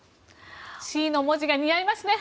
Ｃの文字が似合いますね。